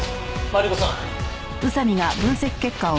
マリコさん。